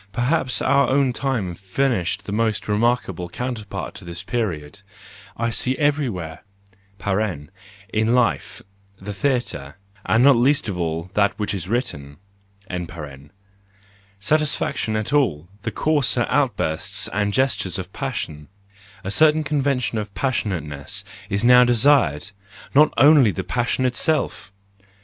Perhaps our own time furnishes the most remarkable counterpart to this period: I see everywhere (in life, in the theatre, and not least in all that is written) satisfaction at all the coarser outbursts and gestures of passion ; a certain convention of passionateness is now desired,— 84 THE JOYFUL WISDOM, I only not the passion itself!